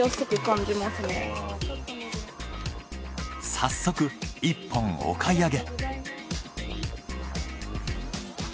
早速１本お買い上げ。